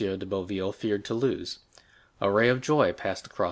de Boville feared to lose. A ray of joy passed across M.